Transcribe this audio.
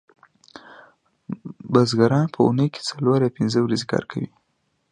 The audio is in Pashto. بزګران په اونۍ کې څلور یا پنځه ورځې کار کوي